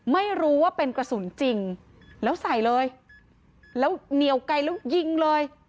ไม่รู้ว่าเป็นกระสุนจริงแล้วใส่เลยแล้วเหนียวไกลแล้วยิงเลย